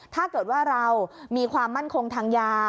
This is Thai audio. ถ้าเกิดว่าเรามีความมั่นคงทางยา